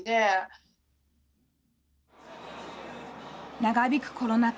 長引くコロナ禍。